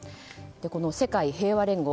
この世界平和連合